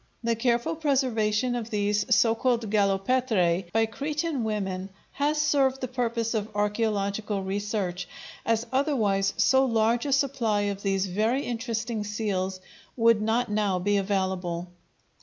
The careful preservation of these so called galopetræ by Cretan women has served the purpose of archæological research, as otherwise so large a supply of these very interesting seals would not now be available.